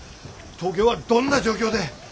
東京はどんな状況でえ？